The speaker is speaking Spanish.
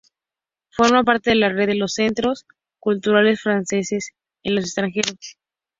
Forma parte de la red de los centros culturales franceses en el extranjero.